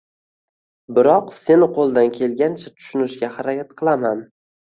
biroq seni qo‘ldan kelgancha tushunishga harakat qilaman?”